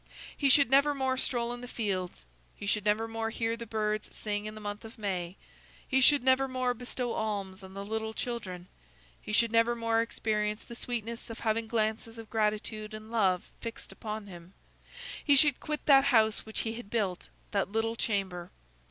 He should never more stroll in the fields; he should never more hear the birds sing in the month of May; he should never more bestow alms on the little children; he should never more experience the sweetness of having glances of gratitude and love fixed upon him; he should quit that house which he had built, that little chamber!